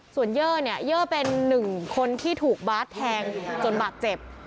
ส่วนเยอร์เนี่ยเยอร์เป็นหนึ่งคนที่ถูกบาร์ดแทงจนบาดเจ็บ